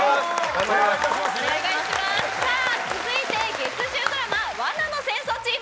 続いて月１０ドラマ罠の戦争チーム。